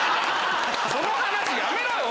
その話やめろよ！